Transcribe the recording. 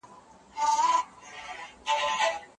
د علم د پرمختګ لپاره ابن خلدون مطالعه یواځی نه ده بل